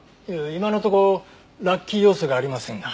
今のとこラッキー要素がありませんが。